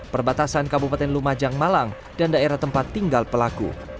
perbatasan kabupaten lumajang malang dan daerah tempat tinggal pelaku